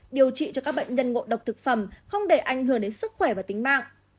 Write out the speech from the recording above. điều trị cho các bệnh nhân ngộ độc thực phẩm không để ảnh hưởng đến sức khỏe và tính mạng